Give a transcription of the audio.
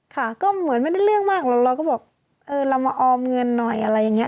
ค่ะก็เหมือนไม่ได้เรื่องมากหรอกเราก็บอกเออเรามาออมเงินหน่อยอะไรอย่างนี้